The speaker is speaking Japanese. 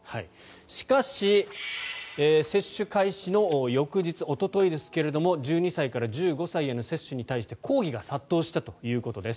しかし、接種開始の翌日おとといですが１２歳から１５歳への接種に対して抗議が殺到したということです。